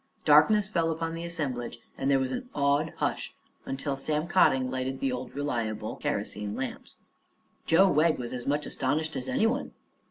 Darkness fell upon the assemblage and there was an awed hush until Sam Cotting lighted the old reliable kerosene lamps. Joe Wegg was as much astonished as anyone.